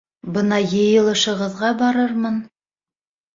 Бына йыйылышығыҙға барырмын.